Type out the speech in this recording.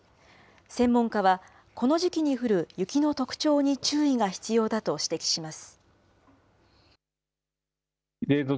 専門家は、この時期に降る雪の特徴に注意が必要だと指摘します。